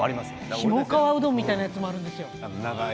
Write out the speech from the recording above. ひもかわうどんみたいな長いやつがあるんですよ